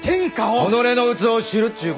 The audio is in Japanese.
己の器を知るっちゅう